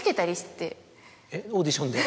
えっオーディションで？